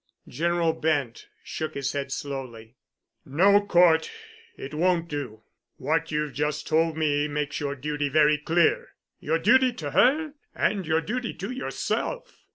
General Bent shook his head slowly. "No, Cort. It won't do. What you've just told me makes your duty very clear—your duty to her and your duty to yourself.